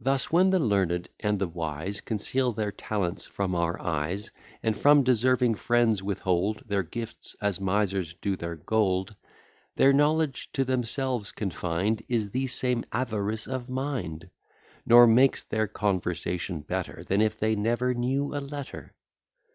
Thus, when the learned and the wise Conceal their talents from our eyes, And from deserving friends withhold Their gifts, as misers do their gold; Their knowledge to themselves confined Is the same avarice of mind; Nor makes their conversation better, Than if they never knew a letter.